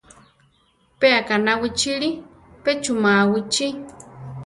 Pe aʼkaná wichíli, pe chuʼmáa wichí.